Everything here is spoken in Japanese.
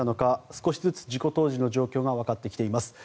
少しずつ事故当時の状況がわかってきています。